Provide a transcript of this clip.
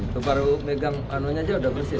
teparu megang anunya aja udah bersih